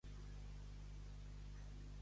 —D'on són? —D'Avinyó. —Cireretes i pa.